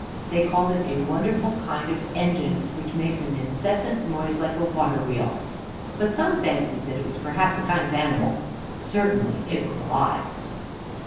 They called it "a wonderful kind of engine, which makes an incessant noise like a water wheel." But some fancied that it was perhaps a kind of animal. Certainly it was alive.